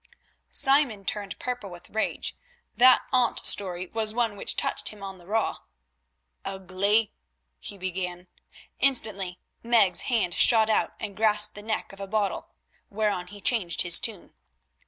Simon turned purple with rage; that aunt story was one which touched him on the raw. "Ugly——" he began. Instantly Meg's hand shot out and grasped the neck of a bottle, whereon he changed his tune.